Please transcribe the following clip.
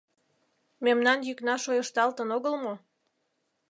Мемнан йӱкна шойышталтын огыл мо?